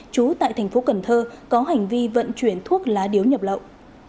trú tại thành phố cần thơ có hành vi vận chuyển thuốc lá điếu nhập lậu